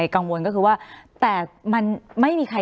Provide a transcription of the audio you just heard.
คุณลำซีมัน